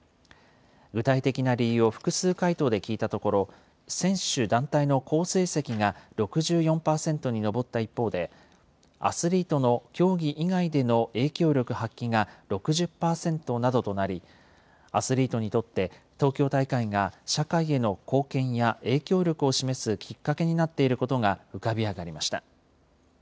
具体的な理由を複数回答で聞いたところ、選手・団体の好成績が６４％に上った一方で、アスリートの競技以外での影響力発揮が６０％などとなり、アスリートにとって、東京大会が社会への貢献や影響力を示すきっかけになっていることが浮かび上がりました。